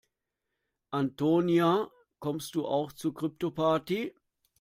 Antonia, kommst du auch zur Kryptoparty?